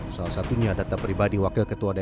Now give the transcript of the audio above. salah satunya data pribadi wakil ketua dpr